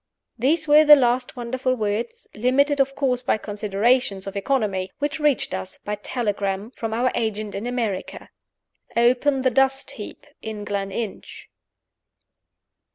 These were the last wonderful words limited of course by considerations of economy which reached us (by telegram) from our agent in America: "Open the dust heap at Gleninch."